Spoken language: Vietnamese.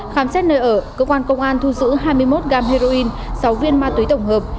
khám xét nơi ở cơ quan công an thu giữ hai mươi một gam heroin sáu viên ma túy tổng hợp